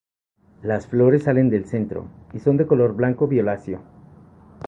Las flores salen del centro, y son de color blanco violáceo.